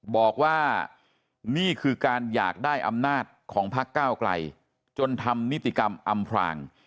บอกว่านี่คือการอยากได้อำนาจของพักก้าวไกลจนทำนิติกรรมอำพราง